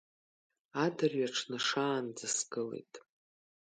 Адырҩаҽны шаанӡа сгылеит.